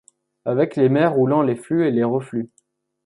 Avec les mers roulant les flux et les reflux